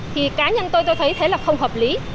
thì cá nhân tôi tôi thấy thế là không hợp lý